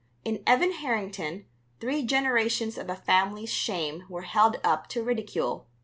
In Evan Harrington three generations of a family's shame were held up to ridicule.